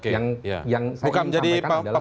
yang saya ingin sampaikan adalah